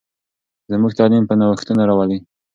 زموږ تعلیم به نوښتونه راولي.